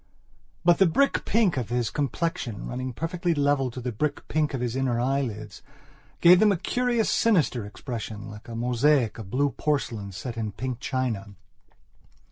But the brick pink of his complexion, running perfectly level to the brick pink of his inner eyelids, gave them a curious, sinister expressionlike a mosaic of blue porcelain set in pink china.